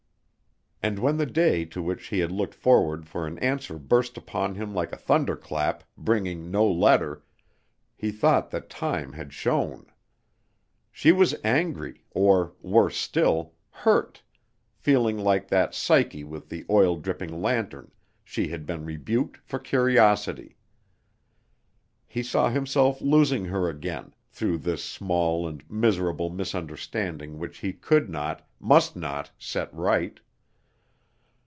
And when the day to which he had looked forward for an answer burst upon him like a thunderclap, bringing no letter, he thought that time had shown. She was angry, or worse still, hurt, feeling that like Psyche with the oil dropping lantern, she had been rebuked for curiosity. He saw himself losing her again, through this small and miserable misunderstanding which he could not, must not, set right.